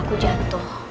dari saat aku jatuh